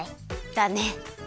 だね。